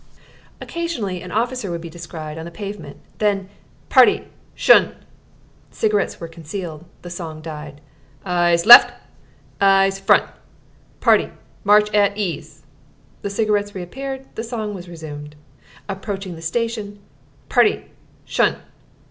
Occasionally an officer would be descried, on the pavement. Then "Party, 'shun!" Cigarettes were concealed. The song died. "Eyes left! ... Eyes front! Party, march at ease!" The cigarettes reappeared, the song was resumed. Approaching the station, "Party, 'shun!"